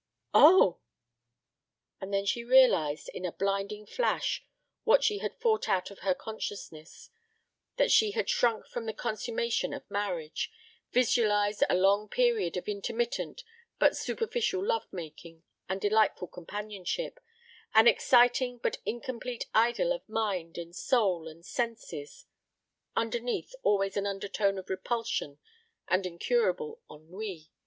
"Oh!" And then she realized in a blinding flash what she had fought out of her consciousness: that she had shrunk from the consummation of marriage, visualized a long period of intermittent but superficial love making and delightful companionship, an exciting but incomplete idyl of mind and soul and senses. ... Underneath always an undertone of repulsion and incurable ennui